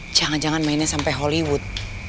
jangan jangan mainnya sampai hollywood